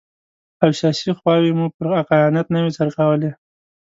او سیاسي خواوې مو پر عقلانیت نه وي څرخولي.